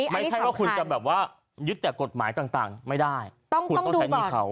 ไม่ใช่ว่าคุณจะแบบว่ายึดจากกฎหมายต่างไม่ได้คุณต้องใช้หนี้เขา